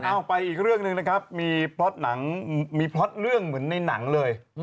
ออกไปอีกเรื่องหนึ่งนะครับมีพล็อตเรื่องเหมือนในหนังเลย